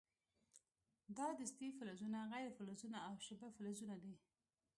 دا دستې فلزونه، غیر فلزونه او شبه فلزونه دي.